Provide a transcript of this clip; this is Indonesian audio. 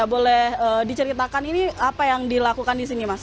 boleh diceritakan ini apa yang dilakukan